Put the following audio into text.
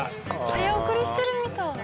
早送りしてるみたい。